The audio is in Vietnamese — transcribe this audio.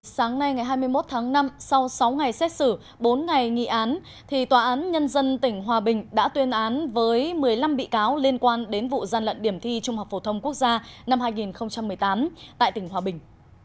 sáng nay ngày hai mươi một tháng năm sau sáu ngày xét xử bốn ngày nghị án tòa án nhân dân tỉnh hòa bình đã tuyên án với một mươi năm bị cáo liên quan đến vụ gian lận điểm thi trung học phổ thông quốc gia năm hai nghìn một mươi tám tại tỉnh hòa bình